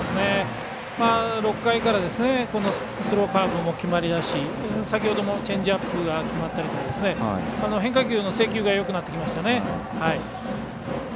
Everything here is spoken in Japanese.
６回からスローカーブも決まりだし先ほどもチェンジアップが決まったりと変化球の制球がよくなってきましたよね。